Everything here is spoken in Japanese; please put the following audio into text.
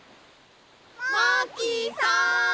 マーキーさん！